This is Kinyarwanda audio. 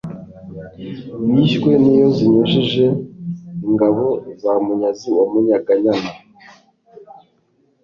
Bishywe n'iyo zinyujije ingabo za Munyazi wa Munyaganyana,